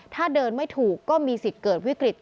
ถ้าเดินไม่ถูกก็มีสิทธิ์เกิดวิกฤต